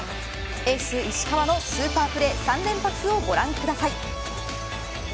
エース石川のスーパープレー３連発をご覧ください。